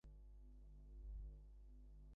এখন এই ব্যবসা দিয়েই পেট চালাই।